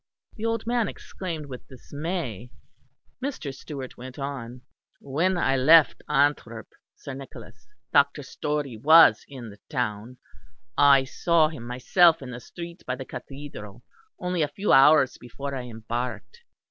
The old man exclaimed with dismay. Mr. Stewart went on: "When I left Antwerp, Sir Nicholas, Dr. Storey was in the town. I saw him myself in the street by the Cathedral only a few hours before I embarked.